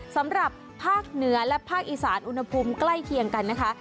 สำหรับภาคเหนือและภาคอีสานอุณหภูมิใกล้เคียงกันนะคะ